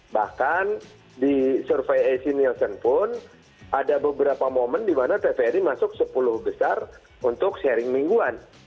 bahkan di survei ac nielsen pun ada beberapa momen di mana tvri masuk sepuluh besar untuk sharing mingguan